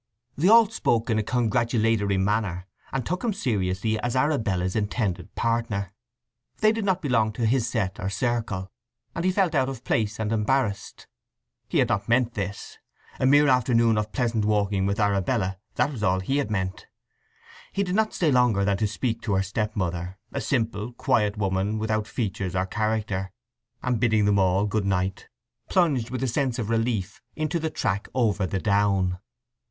They all spoke in a congratulatory manner, and took him seriously as Arabella's intended partner. They did not belong to his set or circle, and he felt out of place and embarrassed. He had not meant this: a mere afternoon of pleasant walking with Arabella, that was all he had meant. He did not stay longer than to speak to her stepmother, a simple, quiet woman without features or character; and bidding them all good night plunged with a sense of relief into the track over the down.